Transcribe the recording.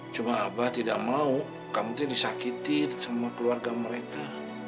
cuma abah tidak mau kamu itu disakiti sama keluarga mereka